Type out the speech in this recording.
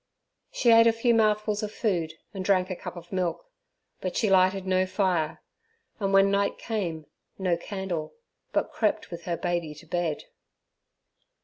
She ate a few mouthfuls of food and drank a cup of milk. But she lighted no fire, and when night came, no candle, but crept with her baby to bed.